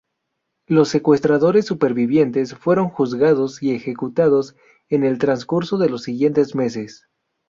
Los secuestradores supervivientes fueron juzgados y ejecutados en el transcurso de los siguientes meses.